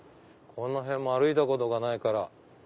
この辺も歩いたことがないから。